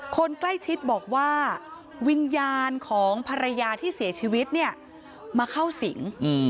คนใกล้ชิดบอกว่าวิญญาณของภรรยาที่เสียชีวิตเนี่ยมาเข้าสิง